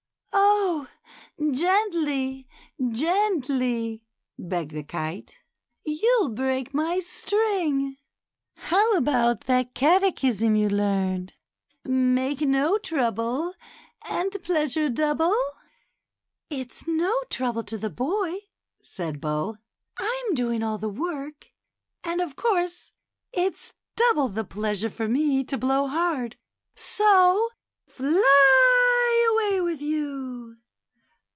"Oh! gently, gently," begged the kite, "you'll break my string. How about that catechism you learned — 88 THE CHILDREN'S WONDER BOOK. ''' Make no trouble, And pleasure double '?" ''It's no trouble to the boy," said Bo; "I'm doing all the work, and of course it's double the pleasure for me to blow hard. So fly away with you